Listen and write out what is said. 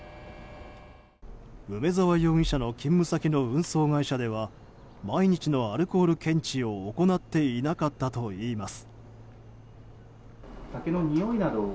梅沢容疑者の勤務先の運送会社では毎日のアルコール検知を行っていなかったといいます。